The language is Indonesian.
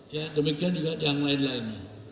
ya demikian juga yang lain lain